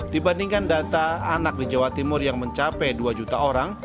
dibandingkan data anak di jawa timur yang mencapai dua juta orang